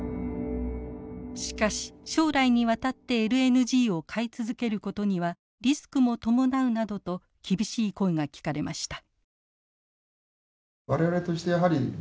しかし将来にわたってＬＮＧを買い続けることにはリスクも伴うなどと厳しい声が聞かれました。